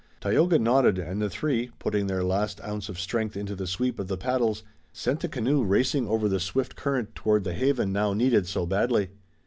Tayoga nodded, and the three, putting their last ounce of strength into the sweep of the paddles, sent the canoe racing over the swift current toward the haven now needed so badly.